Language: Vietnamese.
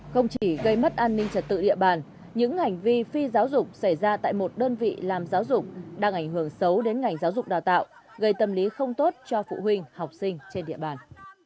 không chỉ gây mất an ninh trật tự địa bàn những hành vi phi giáo dục xảy ra tại một đơn vị làm giáo dục đang ảnh hưởng xấu đến ngành giáo dục đào tạo gây tâm lý không tốt cho phụ huynh học sinh trên địa bàn